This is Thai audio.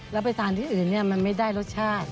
แล้วไปทานที่อื่นมันไม่ได้รสชาติ